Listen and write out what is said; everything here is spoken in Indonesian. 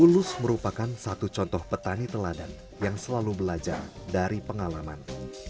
tulus merupakan satu contoh petani teladan yang selalu belajar dari pengalaman